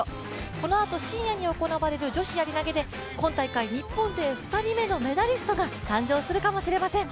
このあと深夜に行われる女子やり投げで今大会日本勢２人目のメダリストが誕生するかもしれません。